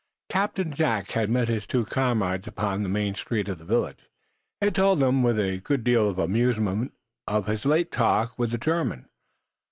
Captain Jack had met his two comrades up on the main street of the village. He had told them, with a good deal of amusement, of his late talk with the German.